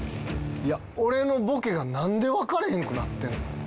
いや俺のボケがなんでわかれへんくなってんの？